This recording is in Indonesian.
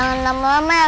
jangan lama lama ya